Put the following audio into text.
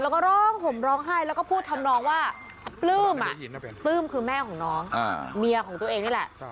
แล้วก็ร้องผมร้องไห้แล้วก็พูดทำน้องว่าปลื้มอ่ะปลื้มคือแม่ของน้อง